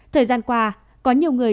thời gian qua có nhiều người